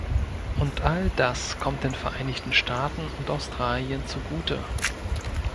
Und all das kommt den Vereinigten Staaten und Australien zugute.